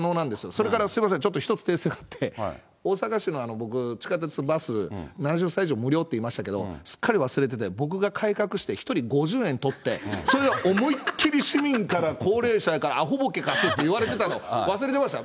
それからすみません、ちょっと一つ訂正があって、大阪市の僕、地下鉄、バス、７０歳以上無料って言いましたけど、すっかり忘れてて、僕が改革して１人５０円取って、それ思いっ切り市民から高齢者から、あほ、ぼけ、かすと言われてたの、忘れてました。